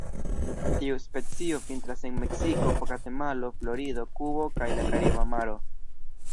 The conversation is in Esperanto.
Tiu specio vintras en Meksiko, Gvatemalo, Florido, Kubo kaj la Kariba Maro.